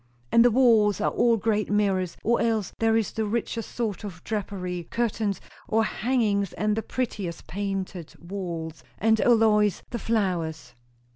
"And the walls are all great mirrors, or else there is the richest sort of drapery curtains, or hangings; and the prettiest painted walls. And O, Lois, the flowers!